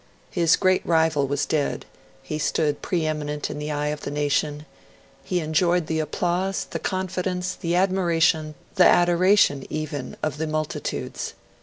His great rival was dead; he stood pre eminent in the eye of the nation; he enjoyed the applause, the confidence, the admiration, the adoration, even, of multitudes.